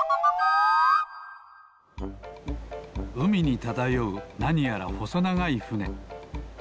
うみにただようなにやらほそながいふね。